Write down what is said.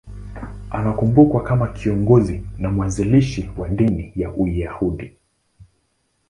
Anakumbukwa kama kiongozi na mwanzilishi wa dini ya Uyahudi.